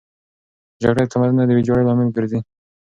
جګړه د تمدنونو د ویجاړۍ لامل ګرځي.